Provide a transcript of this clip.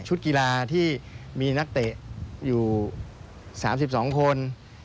กีฬาที่มีนักเตะอยู่๓๒คน